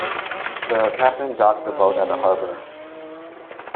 The captain docked the boat at the harbour.